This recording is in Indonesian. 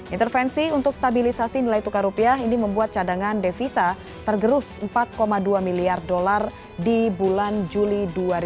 intervensi untuk stabilisasi nilai tukar rupiah ini membuat cadangan devisa tergerus empat dua miliar dolar di bulan juli dua ribu dua puluh